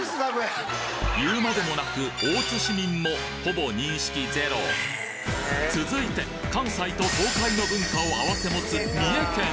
言うまでもなく大津市民もほぼ認識ゼロ続いて関西と東海の文化を併せ持つ